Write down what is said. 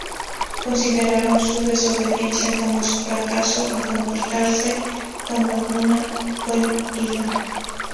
Consideraron su desobediencia como su fracaso a comportarse como una buen ídolo.